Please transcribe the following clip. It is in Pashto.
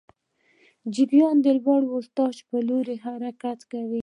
جریان د لوړ ولتاژ پر لور حرکت کوي.